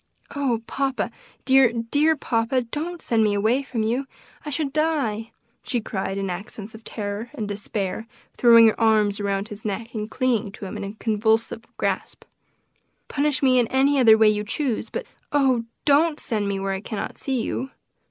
"Oh, papa! dear, dear papa, don't send me away from you! I should die!" she cried in accents of terror and despair, throwing her arms around his neck and clinging to him with a convulsive grasp. "Punish me in any other way you choose; but oh! don't send me where I cannot see you."